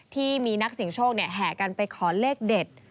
ที่มีนักเสียงโชคแห่กันไปขอเลขเด็ด